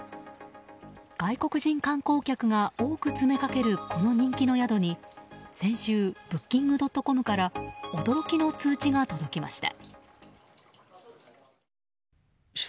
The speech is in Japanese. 外国人観光客が多く詰めかけるこの人気の宿に先週、ブッキングドットコムから驚きの通知が届きました。